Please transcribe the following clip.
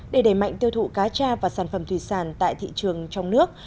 để đẩy mạnh tiêu thụ cá cha và sản phẩm thủy sản tại thị trường trong nước